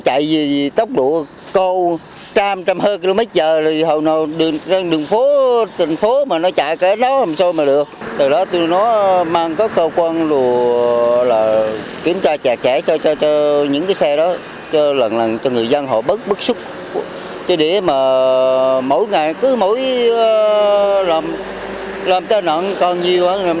cứ mỗi làm tai nạn còn nhiều làm sao mà người dân hội chịu nổi